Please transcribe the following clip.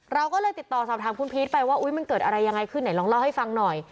เราก็เลยติดต่อสอบถามคุณพีชไปว่ามันเกิดอะไรยังไงขึ้นไหนลองเล่าให้ฟังหน่อย